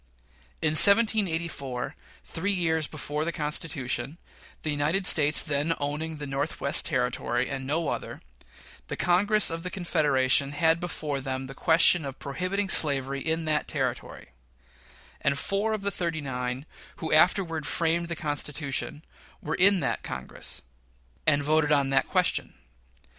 In 1784, three years before the Constitution the United States then owning the Northwestern Territory, and no other the Congress of the Confederation had before them the question of prohibiting slavery in that Territory; and four of the "thirty nine" who afterward framed the Constitution were in that Congress and voted on that question.